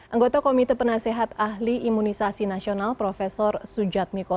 anggota komite penasehat ahli imunisasi nasional prof sujad miko